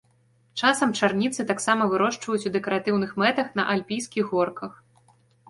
Часам чарніцы таксама вырошчваюць у дэкаратыўных мэтах на альпійскіх горках.